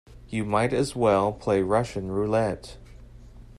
You might as well play Russian roulette.